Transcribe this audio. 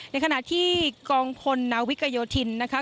ในขณะที่กองพลนาวิกโยธินนะคะ